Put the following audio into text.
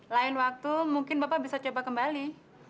lain waktu mungkin bapak bisa coba kembali